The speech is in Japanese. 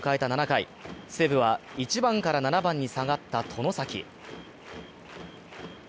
７回、西武は１番から７番に下がった外崎。